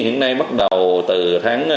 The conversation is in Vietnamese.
hiện nay bắt đầu từ tháng năm